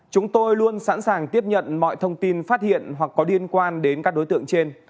chúng tôi luôn sẵn sàng tiếp nhận mọi thông tin phát hiện hoặc có liên quan đến các đối tượng trên